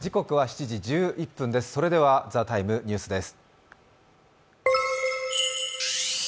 「ＴＨＥＴＩＭＥ，」ニュースです。